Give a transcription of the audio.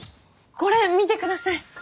これ見て下さい。